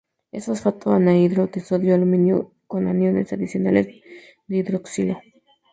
Es un fosfato anhidro de sodio y aluminio, con aniones adicionales de hidroxilo.